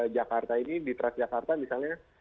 jakarta ini di transjakarta misalnya